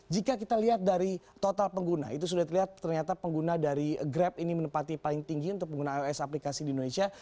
jika kita lihat dari total pengguna itu sudah terlihat ternyata pengguna dari grab ini menempati paling tinggi untuk pengguna ios aplikasi di indonesia